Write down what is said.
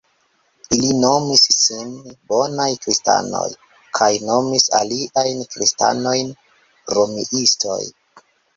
Ili nomis sin "Bonaj Kristanoj" kaj nomis aliajn kristanojn "Romiistoj".